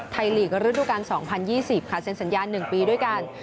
ไทยลีกฤดูกัน๒๐๒๐ค่ะเสียงสัญญาณ๑ปีด้วยกัน